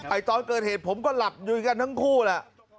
ตอนเกิดเหตุผมก็หลับยุยกันทั้งคู่แหละ